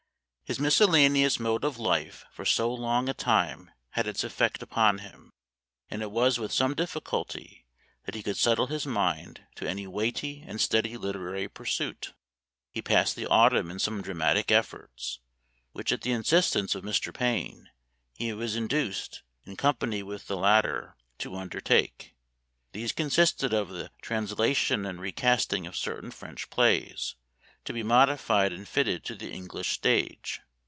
His miscellaneous mode of life for so long a time had its effect upon him, and it was with some difficulty that he could settle his mind to any weighty and steady literary pursuit. He passed the autumn in some dramatic efforts, which at the instance of Mr. Payne he was induced, in company with the latter, to under take. These consisted of the translation and recasting of certain French plays, to be modified and fitted to the English stage.